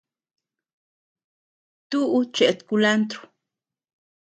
Tuʼu cheʼet kulantro.